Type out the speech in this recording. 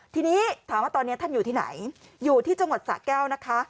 ทีนี้ถามว่าตอนนี้ท่านอยู่ที่ไหนอยู่ที่จังหวัดสะแก้วนะคะ